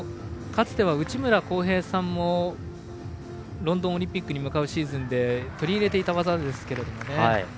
かつては内村航平さんもロンドンオリンピックに向かうシーズンで取り入れていた技です。